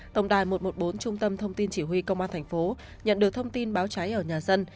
tổng đài một trăm một mươi bốn trung tâm thông tin chỉ huy công an thành phố nhận được thông tin báo cháy ở nhà dân